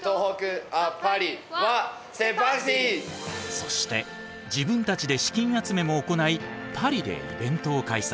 そして自分たちで資金集めも行いパリでイベントを開催。